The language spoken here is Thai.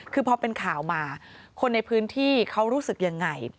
คือพอเป็นข่าวมาคนในพื้นที่เขารู้สึกยังไง